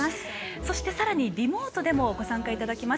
そしてリモートでもご参加いただきます。